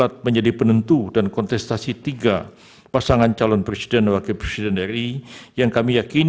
terima kasih terima kasih terima kasih